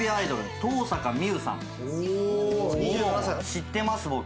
知ってます僕。